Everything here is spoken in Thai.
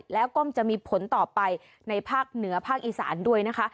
แล้วก็จะมีผลต่อไปในภาคเหนือภาคอีสานด้วยนะคะ